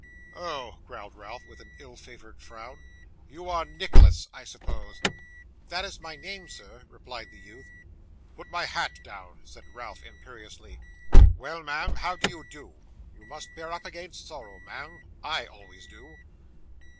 'Oh,' growled Ralph, with an ill favoured frown, 'you are Nicholas, I suppose?' 'That is my name, sir,' replied the youth. 'Put my hat down,' said Ralph, imperiously. 'Well, ma'am, how do you do? You must bear up against sorrow, ma'am; I always do.